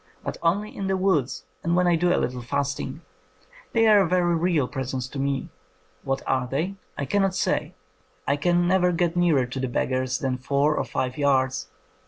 But only in the woods and when I do a little fasting. They are a very real presence to me. What are they? I cannot say. lean never get nearer to the beggars than four or five yards.